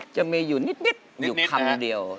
จะไม่อยู่นิดคำเดียว